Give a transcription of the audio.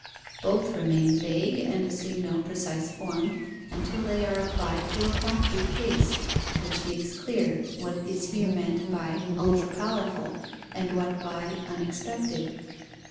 Both remain vague and assume no precise form, until they are applied to a concrete case, which makes clear what is here meant by ultra powerful, and what by unexpected.